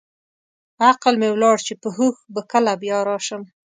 عقل مې ولاړ چې په هوښ به کله بیا راشم.